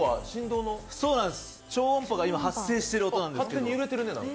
超音波が発生している音なんです。